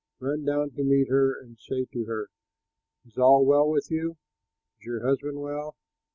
Run down to meet her and say to her, 'Is all well with you? Is your husband well?